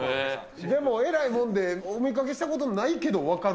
でもえらいもんで、お見かけしたことないけど分かる。